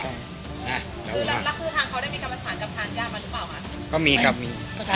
คือรับรักผู้ทางเค้าได้มีคำประสานกับทางย่ามาหรือเปล่า